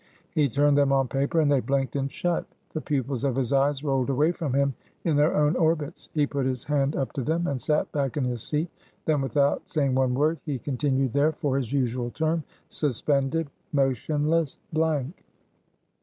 He turned them on paper, and they blinked and shut. The pupils of his eyes rolled away from him in their own orbits. He put his hand up to them, and sat back in his seat. Then, without saying one word, he continued there for his usual term, suspended, motionless, blank.